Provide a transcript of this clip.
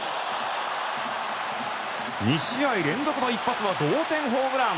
２試合連続の一発は同点ホームラン！